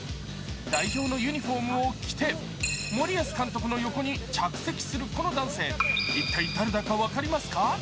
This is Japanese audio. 代表のユニフォームを着て、森保監督の横に着席するこの男性、一体誰だか分かりますか？